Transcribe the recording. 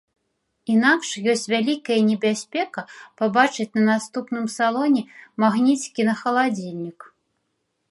Інакш ёсць вялікая небяспека пабачыць на наступным салоне магніцікі на халадзільнік.